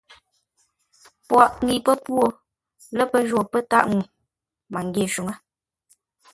Pwoghʼ ŋəi pə́pwó lə́ pə́ jwó pə́ tâʼ ŋuu məngyě shúŋə́.